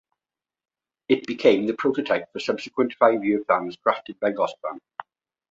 It became the prototype for subsequent Five-Year Plans drafted by Gosplan.